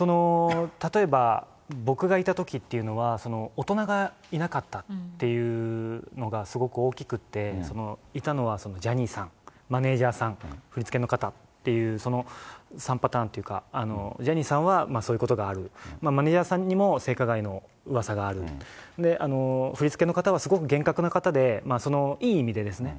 例えば、僕がいたときっていうのは、大人がいなかったっていうのがすごく大きくて、いたのはジャニーさん、マネージャーさん、振り付けの方っていう、その３パターンというか、ジャニーさんはそういうことがある、マネージャーさんにも性加害のうわさがある、振り付けの方はすごく厳格な方で、そのいい意味でですね、